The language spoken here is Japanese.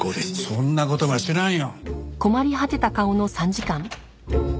そんな事は知らんよ。